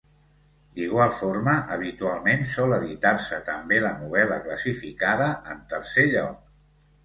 D'igual forma, habitualment sol editar-se també la novel·la classificada en tercer lloc.